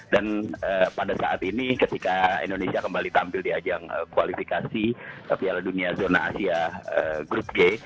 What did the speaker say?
dan pada saat ini ketika indonesia kembali tampil di ajang kualifikasi piala dunia zona asia group g